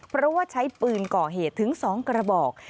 เพราะว่าใช้ปืนก่อเหตุถึง๒กระบอก